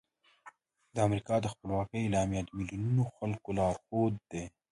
د امریکا د خپلواکۍ اعلامیه د میلیونونو خلکو لارښود ده.